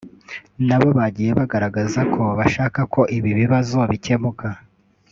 nabo bagiye bagaragaza ko bashaka ko ibi bibazo bikemuka